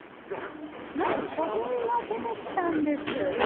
なんと、古墳が出てきたんです。